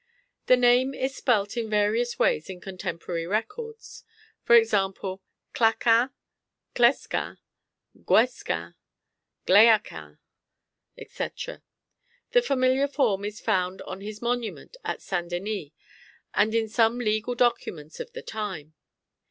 The name is spelt in various ways in contemporary records, e.g., Claquin, Klesquin, Guescquin, Glayaquin, etc. The familiar form is found on his monument at St. Denis, and in some legal documents of the time.